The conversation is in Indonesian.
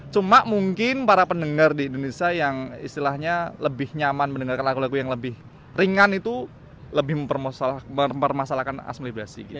cuma mungkin para pendengar di indonesia yang istilahnya lebih nyaman mendengarkan lagu lagu yang lebih ringan itu lebih mempermasalahkan asmilasi